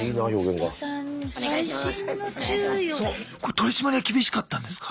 取り締まりは厳しかったんですか？